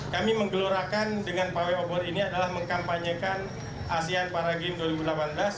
kami menggelorakan dengan pawai obor ini adalah mengkampanyekan asean para games dua ribu delapan belas